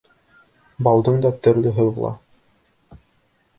Балдың датөрлөһө була